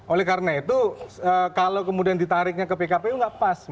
oleh karena itu kalau kemudian ditariknya ke pkpu nggak pas